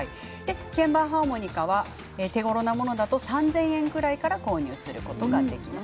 鍵盤ハーモニカは手ごろなものだと３０００円ぐらいから購入することができます。